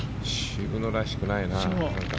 渋野らしくないな。